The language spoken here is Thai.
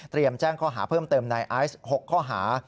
เตรียมแจ้งข้อหาเพิ่มเติมในอายุ๖ข้อหา